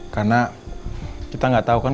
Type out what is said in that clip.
karena kita gak tau kan